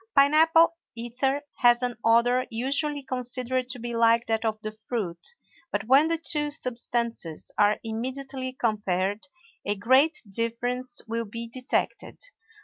Pine apple ether has an odor usually considered to be like that of the fruit, but when the two substances are immediately compared a great difference will be detected.